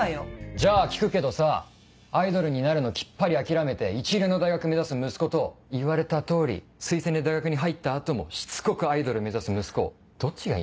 じゃあ聞くけどさアイドルになるのきっぱり諦めて一流の大学目指す息子と言われた通り推薦で大学に入った後もしつこくアイドル目指す息子どっちがいいの？